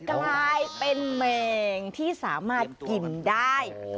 กลายเป็นแมงที่สามารถกินได้